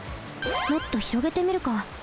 もっとひろげてみるか。